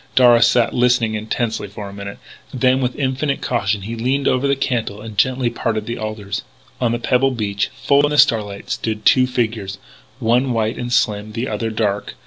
Darragh sat listening intently for a moment. Then with infinite caution, he leaned over the cantle and gently parted the alders. On the pebbled beach, full in the starlight, stood two figures, one white and slim, the other dark.